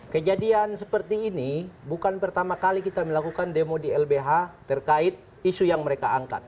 kejadian seperti ini bukan pertama kali kita melakukan demo di lbh terkait isu yang mereka angkat